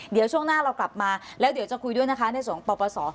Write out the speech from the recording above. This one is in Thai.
เดี๋ยวช่วงหน้าเรากลับมาแล้วเดี๋ยวจะคุยด้วยนะคะในส่วนของปปศ